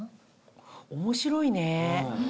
面白いね。